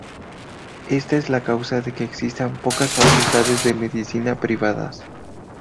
Esta es la causa de que existan pocas Facultades de Medicina privadas.